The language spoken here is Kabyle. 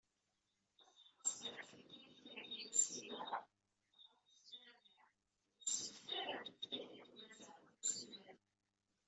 Aseḥṛes diɣ deg temlilit-agi n usileɣ, ɣef usnerni d usebɣer n tutlayt n tmaziɣt deg uselmed.